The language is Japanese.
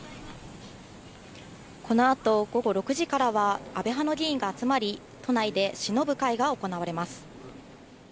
このあと午後６時からは、安倍派の議員が集まり、都内でしのぶ会が行われます。